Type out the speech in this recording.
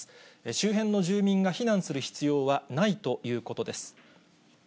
周辺の住民が避難する必要はないということです。